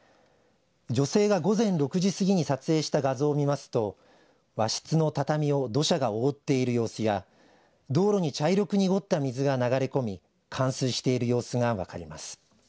女性が午前６時過ぎに撮影した画像を見ますと和室の畳を土砂が覆っている様子や道路に茶色く濁った水が流れ込み冠水している様子が分かります。